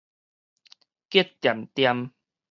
激恬恬